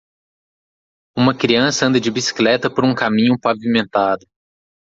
Uma criança anda de bicicleta por um caminho pavimentado.